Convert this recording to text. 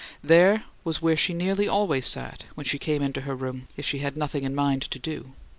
There was where she nearly always sat when she came into her room, if she had nothing in mind to do.